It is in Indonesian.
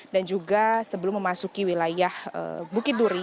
dan juga sebelum memasuki wilayah bukit duri